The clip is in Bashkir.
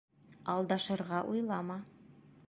Алдашырға уйлама.